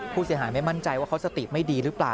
ผู้เสียหายไม่มั่นใจว่าเขาสติไม่ดีหรือเปล่า